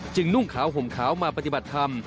นุ่งขาวห่มขาวมาปฏิบัติธรรม